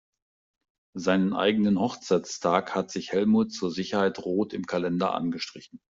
Seinen eigenen Hochzeitstag hat sich Helmut zur Sicherheit rot im Kalender angestrichen.